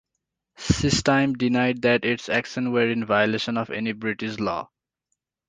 Systime denied that its actions were in violation of any British law.